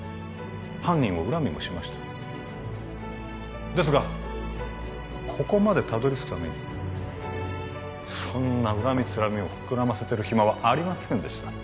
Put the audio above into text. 犯人を恨みもしましたですがここまでたどり着くためにそんな恨みつらみを膨らませてる暇はありませんでした